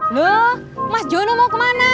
loh mas jono mau kemana